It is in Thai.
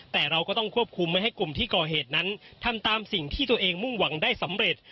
แต่เราก็ต้องควบคุมไม่ให้กลุ่มที่ก่อเหตุนั้นทำตามสิ่งที่ตัวเองมุ่งหวังได้สำเร็จ